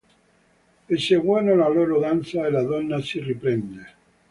Eseguono la loro danza e la donna si riprende.